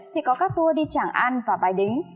thì có các tour đi trảng an và bài đính